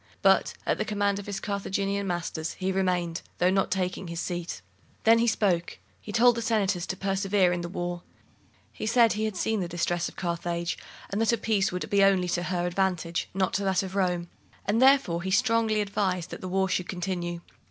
But, at the command of his Carthaginian masters, he remained, though not taking his seat. Then he spoke. He told the senators to persevere in the war. He said he had seen the distress of Carthage, and that a peace would be only to her advantage, not to that of Rome, and therefore he strongly advised that the war should continue.